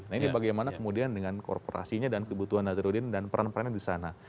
nah ini bagaimana kemudian dengan korporasinya dan kebutuhan nazarudin dan peran perannya di sana